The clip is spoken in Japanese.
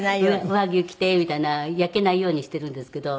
上着を着てみたいな焼けないようにしてるんですけど。